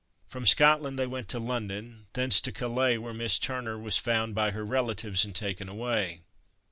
From Scotland, they went to London, thence to Calais, where Miss Turner was found by her relatives and taken away.